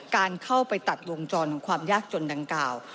การเข้าไปตัดวงจรของความยากจนดังกล่าว